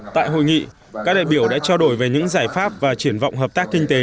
tại hội nghị các đại biểu đã trao đổi về những giải pháp và triển vọng hợp tác kinh tế